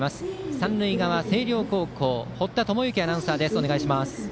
三塁側、星稜高校堀田智之アナウンサーです。